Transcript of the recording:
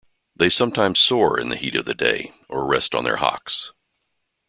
They sometimes soar in the heat of the day or rest on their hocks.